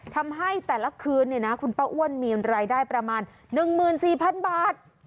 ทำให้แต่ละคืนคุณป้าอ้วนมีรายได้ประมาณ๑๔๐๐๐บาท